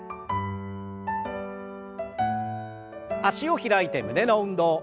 脚を開いて胸の運動。